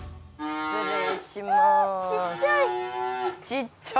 ちっちゃ！